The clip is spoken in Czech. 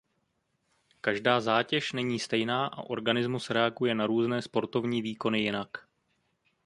Každá zátěž není stejná a organismus reaguje na různé sportovní výkony jinak.